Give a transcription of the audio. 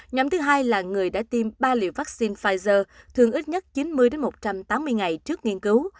nhóm thứ hai là người đã tiêm ba liều vaccine pfizer thường ít nhất chín mươi một trăm tám mươi ngày trước nghiên cứu